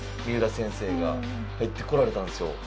三浦先生が入ってこられたんですよ。